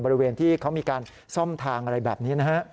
บริเวณที่เขามีการซ่อมทางอะไรแบบนี้นะฮะ